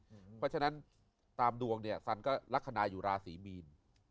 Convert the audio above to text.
เพราะฉะนั้นตามดวงสันก็ลักษณายุราศีมีน